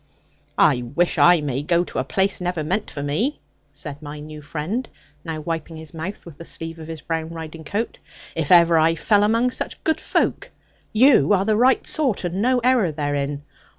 'I wish I may go to a place never meant for me,' said my new friend, now wiping his mouth with the sleeve of his brown riding coat, 'if ever I fell among such good folk. You are the right sort, and no error therein.